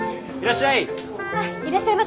いらっしゃい！